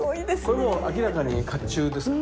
これもう明らかに甲冑ですね。